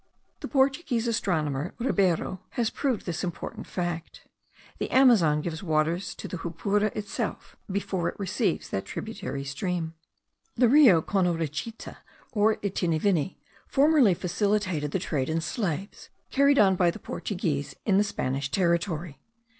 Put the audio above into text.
The Portuguese astronomer, Ribeiro, has proved this important fact. The Amazon gives waters to the Jupura itself, before it receives that tributary stream. The Rio Conorichite, or Itinivini, formerly facilitated the trade in slaves carried on by the Portuguese in the Spanish territory.